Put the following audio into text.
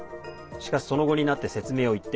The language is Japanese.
しかし、その後になって説明を一転。